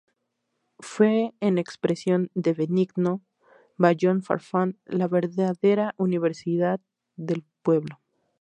Fue, en expresión de Benigno Ballón Farfán, "la verdadera universidad del pueblo".